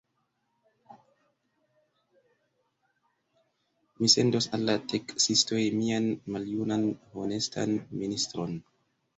Mi sendos al la teksistoj mian maljunan honestan ministron!